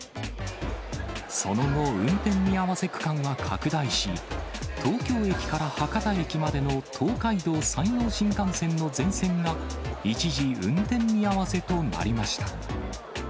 その後、運転見合わせ区間は拡大し、東京駅から博多駅までの東海道・山陽新幹線の全線が一時、運転見合わせとなりました。